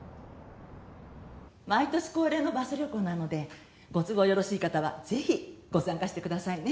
毎年恒例のバス旅行なのでご都合よろしい方はぜひご参加してくださいね。